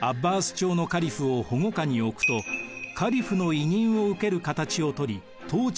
朝のカリフを保護下におくとカリフの委任を受ける形を取り統治を行います。